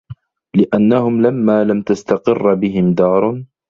لِأَنَّهُمْ لَمَّا لَمْ تَسْتَقِرَّ بِهِمْ دَارٌ